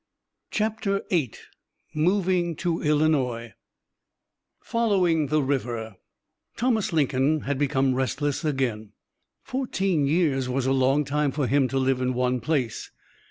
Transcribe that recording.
CHAPTER VIII MOVING TO ILLINOIS "FOLLOWING THE RIVER" Thomas Lincoln had become restless again. Fourteen years was a long time for him to live in one place.